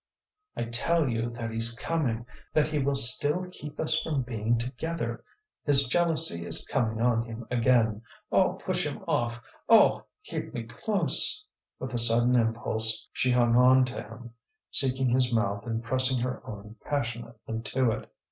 "I tell you that he's coming, that he will still keep us from being together! His jealousy is coming on him again. Oh, push him off! Oh, keep me close!" With a sudden impulse she hung on to him, seeking his mouth and pressing her own passionately to it.